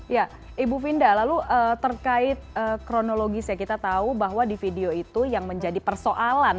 ya ibu vinda lalu terkait kronologis ya kita tahu bahwa di video itu yang menjadi persoalan